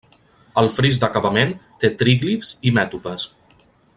El fris d'acabament té tríglifs i mètopes.